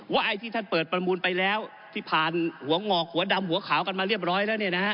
ไอ้ที่ท่านเปิดประมูลไปแล้วที่ผ่านหัวงอกหัวดำหัวขาวกันมาเรียบร้อยแล้ว